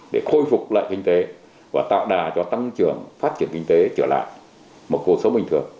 để khôi phục lại kinh tế và tạo đà cho tăng trưởng phát triển kinh tế trở lại một cuộc sống bình thường